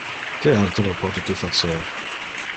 Que altero pote tu facer?